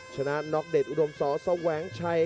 ชนะน็อกเดชอุดมสอแสวงชัย